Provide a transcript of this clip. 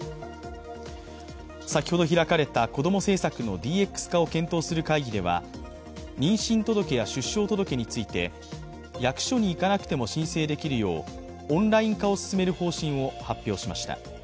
先ほど開かれたこども政策のＤＸ化を検討する会議では妊娠届や出生届について役所に行かなくても申請できるようオンライン化を進める方針を発表しました。